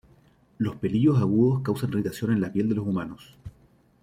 Los pelillos agudos causan irritación en la piel de los humanos.